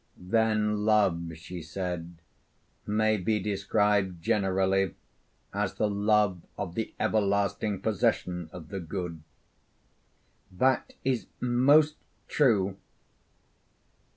'Then love,' she said, 'may be described generally as the love of the everlasting possession of the good?' 'That is most true.'